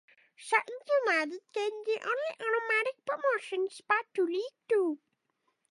Sutton United gained the only automatic promotion spot to League Two.